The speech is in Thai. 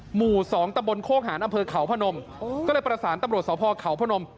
หมู่สองตะบลโฆษฐานอำเภอเขาพนมก็เลยประสานตำรวจสาวพอเขาพนม